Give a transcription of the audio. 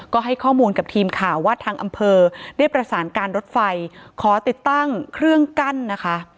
ก็ให้ข้อมูลกับทีมข่าวว่าทางอำเภอได้ประสานการรถไฟขอติดตั้งเครื่องกั้นนะคะ